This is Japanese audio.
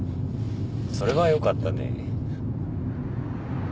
それはよかったね。